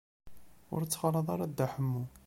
Ur ttxalaḍeɣ ara Dda Ḥemmu.